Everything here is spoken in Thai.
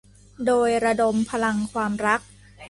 โดยระดมพลังความรัก